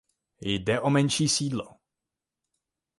Jde o menší sídlo.